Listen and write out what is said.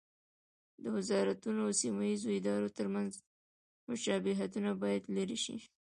د وزارتونو او سیمه ییزو ادارو ترمنځ مشابهتونه باید لرې شي.